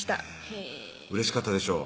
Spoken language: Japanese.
へぇうれしかったでしょう